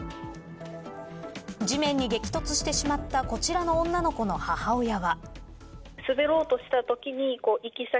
地面に激突してしまったこちらの女の子の母親は。